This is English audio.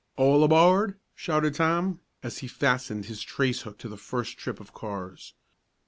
"All aboard!" shouted Tom, as he fastened his trace hook to the first trip of cars.